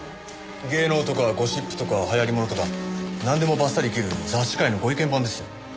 芸能とかゴシップとか流行りものとかなんでもバッサリ斬る雑誌界のご意見番ですよ。